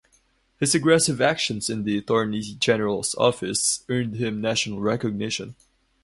His aggressive actions in the Attorney General's Office earned him national recognition.